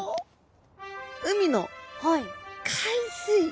海の海水。